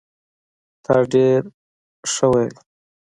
تا ډير ښه وي